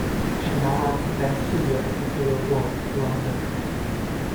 She now runs a dance studio at Imperial Wharf, London.